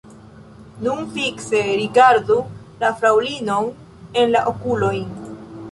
Nun fikse rigardu la fraŭlinon en la okulojn.